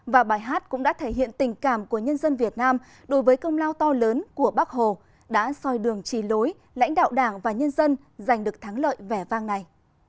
và bài hát cũng đã thể hiện tình cảm của nhân dân việt nam đối với công lao to lớn của bác hồ đã soi đường trì lối lãnh đạo đảng và nhân dân giành được thắng lợi vẻ vang này